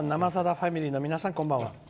ファミリーの皆さんこんばんは。